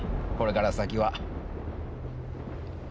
これから先は。